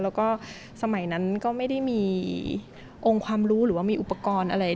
แล้วก็สมัยนั้นก็ไม่ได้มีองค์ความรู้หรือว่ามีอุปกรณ์อะไร